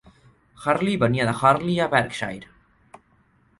Hurley venia de Hurley a Berkshire.